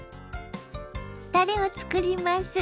たれを作ります。